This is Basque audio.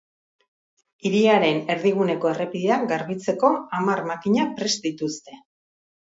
Hiriaren erdiguneko errepideak garbitzeko hamar makina prest dituzte.